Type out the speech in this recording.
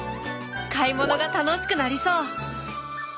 買い物が楽しくなりそう。